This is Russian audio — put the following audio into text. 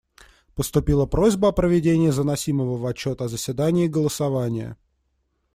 Поступила просьба о проведении заносимого в отчет о заседании голосования.